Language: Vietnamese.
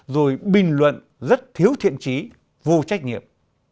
rồi bình luận rất thiếu thiện trí vô trách nhiệm